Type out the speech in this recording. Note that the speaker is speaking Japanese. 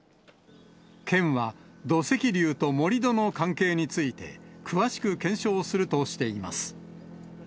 県は土石流と盛り土の関係について、詳しく検証するとしています。